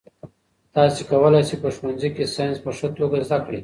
تاسي کولای شئ په ښوونځي کې ساینس په ښه توګه زده کړئ.